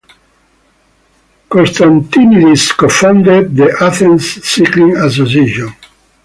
Konstantinidis co-founded the Athens Cycling Association.